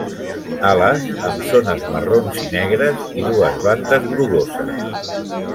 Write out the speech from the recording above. Ales amb zones marrons i negres i dues bandes grogoses.